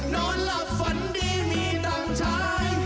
นอนแล้วฝันดีมีตังชาย